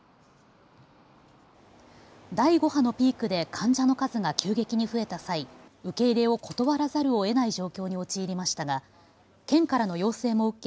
第５波のピークで患者の数が急激に増えた際、受け入れを断らざるをえない状況に陥りましたが県からの要請も受け